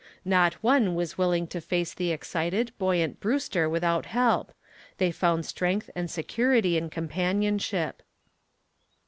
Not one was willing to face the excited, buoyant Brewster without help; they found strength and security in companionship.